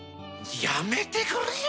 やめてくれよ！